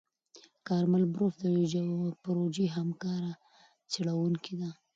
کارمل بروف د پروژې همکاره څېړونکې ده.